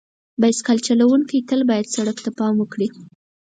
بایسکل چلونکي باید تل سړک ته پام وکړي.